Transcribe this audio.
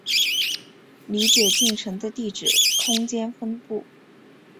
理解进程的地址空间分布